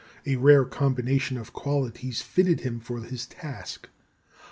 A rare combination of qualities fitted him for his task.